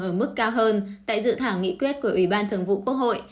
ở mức cao hơn tại dự thảo nghị quyết của ủy ban thường vụ quốc hội